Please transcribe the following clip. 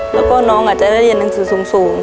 แล้วก็น้องอาจจะได้เรียนหนังสือสูง